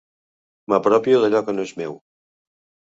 M'apropio d'allò que no és meu.